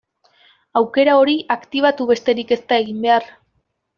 Aukera hori aktibatu besterik ez da egin behar.